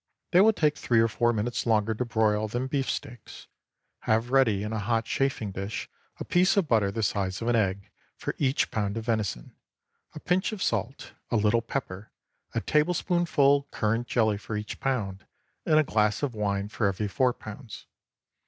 They will take three or four minutes longer to broil than beef steaks. Have ready in a hot chafing dish a piece of butter the size of an egg for each pound of venison, a pinch of salt, a little pepper, a tablespoonful currant jelly for each pound, and a glass of wine for every four pounds.